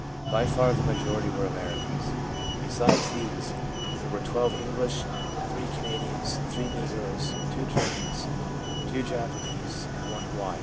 By far the majority were Americans. Besides these there were 12 English, 3 Canadians, 3 Negroes, 2 Germans, 2 Japanese, and 1 Hawaian.